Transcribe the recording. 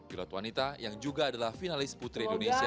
pilot wanita yang juga adalah finalis putri indonesia dua ribu dua puluh